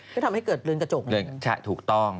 ก็ทำให้เกิดเรือนกระจกเหมือนกันใช่ถูกต้อง